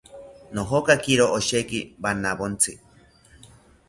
Nojokakiro osheki wanawontzi